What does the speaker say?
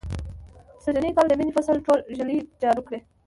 سږنی کال د مني فصل ټول ږلۍ جارو کړ.